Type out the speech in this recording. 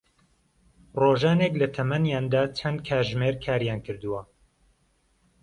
ڕۆژانێک لە تەمەنیاندا چەند کاتژمێر کاریان کردووە